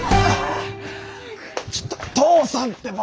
ちょっと父さんってば！